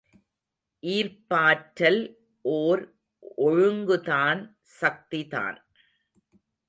ஈர்ப்பாற்றல் ஓர் ஒழுங்குதான் சக்திதான்.